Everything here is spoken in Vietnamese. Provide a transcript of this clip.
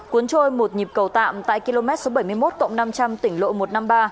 cuốn trôi một nhịp cầu tạm tại km số bảy mươi một cộng năm trăm linh tỉnh lộ một trăm năm mươi ba